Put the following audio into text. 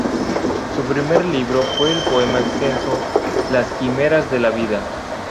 Su primer libro fue el poema extenso "Las Quimeras de la vida.